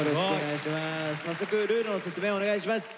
早速ルールの説明お願いします。